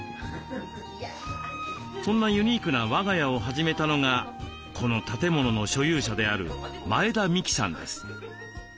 そんなユニークな「和がや」を始めたのがこの建物の所有者である前田美紀さんです。